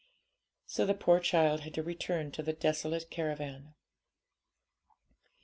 So the poor child had to return to the desolate caravan.